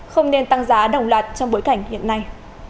không nên tăng giá đồng loạt trong bối cảnh hiện nay